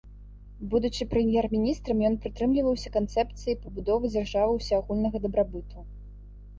Будучы прэм'ер-міністрам, ён прытрымліваўся канцэпцыі пабудовы дзяржавы ўсеагульнага дабрабыту.